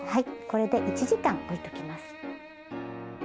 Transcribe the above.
これで１時間置いときます。